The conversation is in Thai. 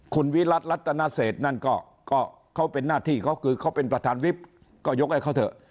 คุณวิรัติรัตนเศษนั่นก็เขาเป็นหน้าที่เขาคือเขาเป็นประธานวิบก็ยกให้เขาเถอะ